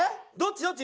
どっち？